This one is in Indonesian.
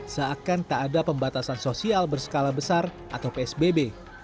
seakan tak ada pembatasan sosial berskala besar atau psbb